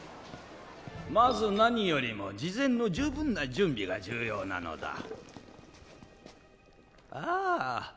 まず何よりも事前の十分な準備が重要なのだああ